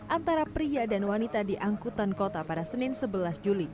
antara pria dan wanita di angkutan kota pada senin sebelas juli